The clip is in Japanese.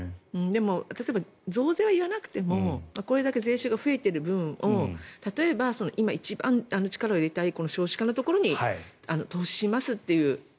でも増税は言わなくてもこれだけ税収が増えている分を例えば今、一番力を入れたい少子化のところに投資しますという。